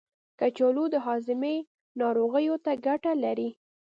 کچالو د هاضمې ناروغیو ته ګټه لري.